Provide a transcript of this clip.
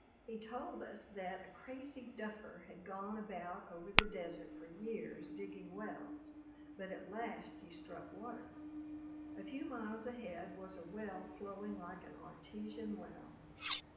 He told us that a crazy duffer had gone about over the desert for years digging wells, but at last he struck water. A few miles ahead was a well flowing like an artesian well.